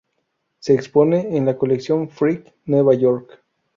Se expone en la Colección Frick, Nueva York.